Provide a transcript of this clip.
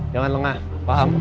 jangan lengah paham